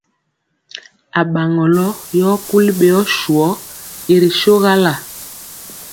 Aɓaŋɔlɔ yɔ kuli ɓeyɔ swɔ i ri sogala.